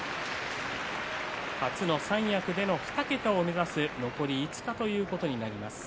初の三役での２桁を目指す残り５日ということになります。